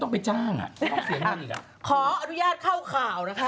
ขออนุญาตเข้าข่าวค่ะ